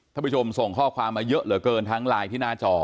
ผู้ชมส่งข้อความมาเยอะเหลือเกินทั้งไลน์ที่หน้าจอ